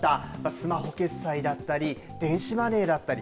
スマホ決済だったり、電子マネーだったり。